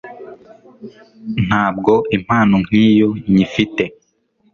ntabwo impano nk'iyo nyifite